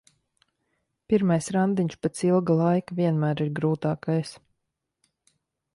Pirmais randiņš pēc ilga laika vienmēr ir grūtākais.